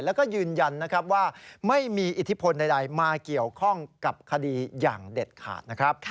แล้วก็ยืนยันว่าไม่มีอิทธิพลใดมาเกี่ยวข้องกับคดีอย่างเด็ดขาด